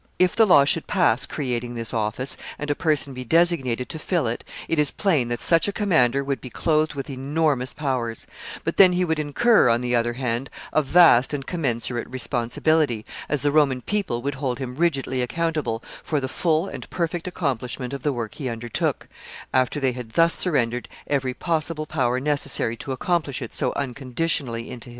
If the law should pass creating this office, and a person be designated to fill it, it is plain that such a commander would be clothed with enormous powers; but then he would incur, on the other hand, a vast and commensurate responsibility, as the Roman people would hold him rigidly accountable for the full and perfect accomplishment of the work he under took, after they had thus surrendered every possible power necessary to accomplish it so unconditionally into his hands.